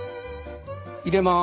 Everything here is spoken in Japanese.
入れまーす。